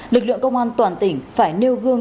lực lượng công an toàn tỉnh phải nêu gương